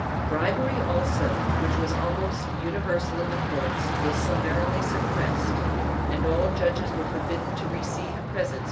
Bribery, also, which was almost . universal in the courts, was summarily suppressed and all judges were forbidden to receive presents from suitors.